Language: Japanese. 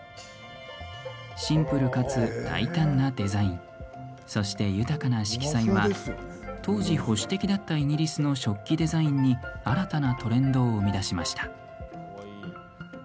シンプルかつ、大胆なデザインそして豊かな色彩は当時、保守的だったイギリスの食器デザインに新たなトレンドを生み出しました。